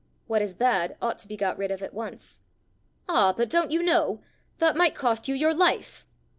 What is bad ought to be got rid of at once." "Ah, but, don't you know? that might cost you your life!"